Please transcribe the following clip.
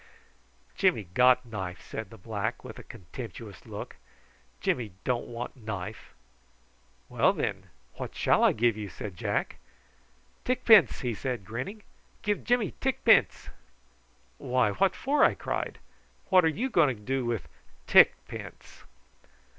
"Jimmy got knife," said the black, with a contemptuous look. "Jimmy don't want knife." "Well, then, what shall I give you?" said Jack. "Tickpence," said he, grinning; "give Jimmy tickpence." "Why, what for?" I cried. "What are you going to do with tick pence?"